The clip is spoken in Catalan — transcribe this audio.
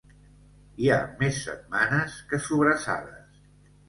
Hi ha més setmanes que sobrassades.